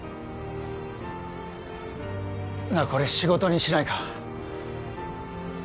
なあこれ仕事にしないか？